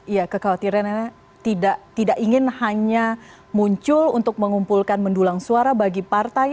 ya kekhawatirannya tidak ingin hanya muncul untuk mengumpulkan mendulang suara bagi partai